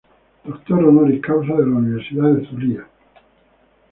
Doctor Honoris Causa de la Universidad de Zulia.